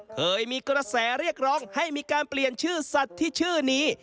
เคยมีกระแสเรียกร้องให้มีการเปลี่ยนชื่อสัตว์ที่ชื่อนี้